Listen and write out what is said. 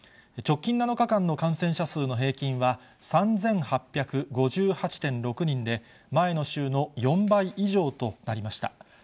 直近７日間の感染者数の平均は、３８５８．６人で、前の週の４倍以上となりました。